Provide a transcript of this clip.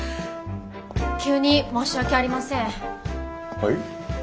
急に申し訳ありません。はい。